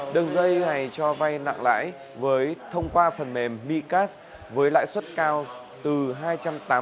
đường dây này cho ve nặng lãi với thông qua phần mềm micas với lãi suất cao từ hai trăm tám mươi đến bốn trăm linh một năm